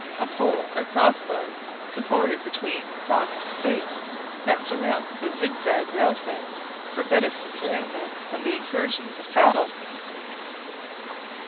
a pole or cross bar, supported between crossed stakes, that surmounts the zig zag rail fences, for better securing them from the incursions of cattle.